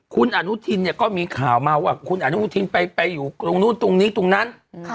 คุณอนุทินเนี่ยก็มีข่าวมาว่าคุณอนุทินไปอยู่ตรงนู้นตรงนี้ตรงนั้น